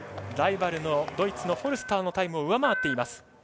ライバルのドイツのフォルスターのタイムを上回っています。